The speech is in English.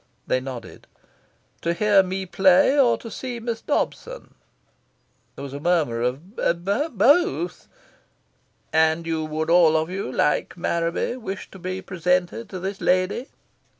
They nodded. "To hear me play, or to see Miss Dobson?" There was a murmur of "Both both." "And you would all of you, like Marraby, wish to be presented to this lady?"